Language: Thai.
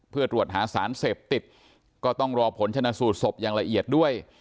เพื่อตรวจหาสารเสพติดก็ต้องรอผลชนะสูตรศพอย่างละเอียดด้วย